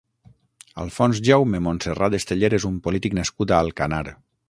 Alfons Jaume Montserrat Esteller és un polític nascut a Alcanar.